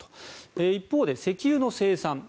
一方で石油の生産